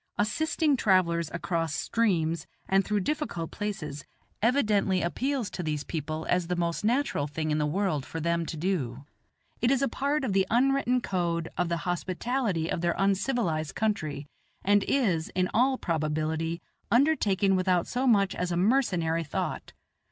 Assisting travellers across streams and through difficult places evidently appeals to these people as the most natural thing in the world for them to do. It is a part of the un written code of the hospitality of their uncivilized country, and is, in all probability, undertaken without so much as a mercenary thought.